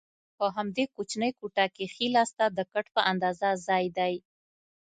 په همدې کوچنۍ کوټه کې ښي لاسته د کټ په اندازه ځای دی.